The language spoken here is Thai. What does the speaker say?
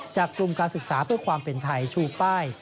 กลุ่มการศึกษาเพื่อความเป็นไทยชูป้าย